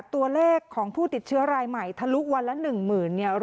ตัวแรกของผู้ติดเชื้อรายใหม่ทลุวันละ๑หมื่น